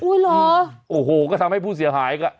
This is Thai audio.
เหรอโอ้โหก็ทำให้ผู้เสียหายก็